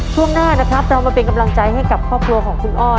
ช่วงหน้านะครับเรามาเป็นกำลังใจให้กับครอบครัวของคุณอ้อย